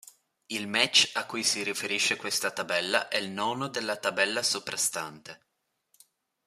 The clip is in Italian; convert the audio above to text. Il match a cui si riferisce questa tabella è il nono della tabella soprastante.